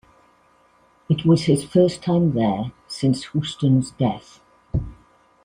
It was his first time there since Houston's death.